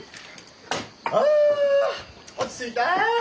あ落ち着いた。